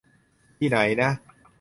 ที่ไหนนะ ?